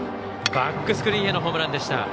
バックスクリーンへのホームラン。